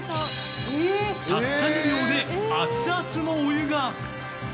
たった２秒でアツアツのお湯が！